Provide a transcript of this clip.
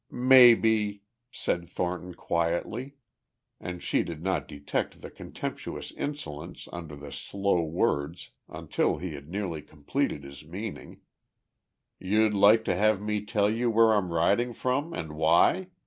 "Maybe," said Thornton quietly, and she did not detect the contemptuous insolence under the slow words until he had nearly completed his meaning, "you'd like to have me tell you where I'm riding from and why?